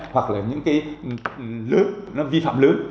hoặc là những cái lỡ nó vi phạm lớn